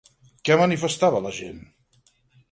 Què manifestava la gent?